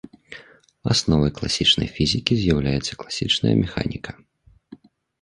Асновай класічнай фізікі з'яўляецца класічная механіка.